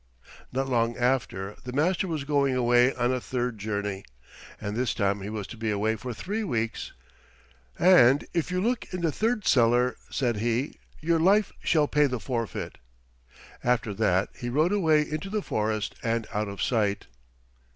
Not long after the Master was going away on a third journey, and this time he was to be away for three weeks. "And if you look in the third cellar," said he, "your life shall pay the forfeit." After that he rode away into the forest and out of sight.